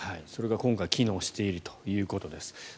それが今回機能しているということです。